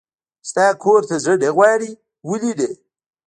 ستا کور ته زړه نه غواړي؟ ولې نه.